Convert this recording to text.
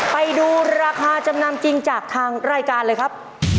ไปดูราคาจำนำจริงจากทางรายการเลยครับ